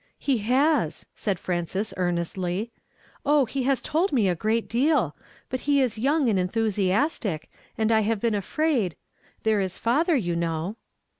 " ''He has," said Frances earnestly. "Oh, ho has told me a great deal I But lie is young and enthusiastic; and I have been afraid — there is father, you know."